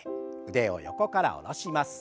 腕を横から下ろします。